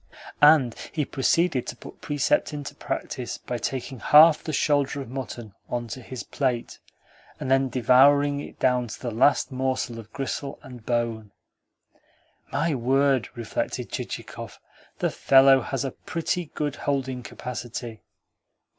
And he proceeded to put precept into practice by taking half the shoulder of mutton on to his plate, and then devouring it down to the last morsel of gristle and bone. "My word!" reflected Chichikov. "The fellow has a pretty good holding capacity!"